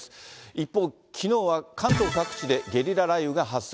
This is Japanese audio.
一方、きのうは関東各地で、ゲリラ雷雨が発生。